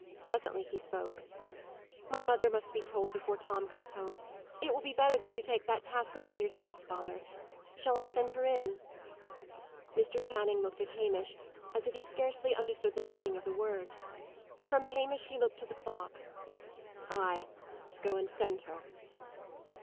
Presently he spoke. "My mother must be told before Tom comes home. It will be better that you take the task upon yourself, father. Shall I send her in?" Mr. Channing looked at Hamish, as if he scarcely understood the meaning of the words. From Hamish he looked to the clock. "Ay; go and send her."